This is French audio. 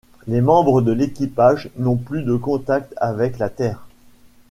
Les membres de l'équipage n'ont plus de contact avec la Terre...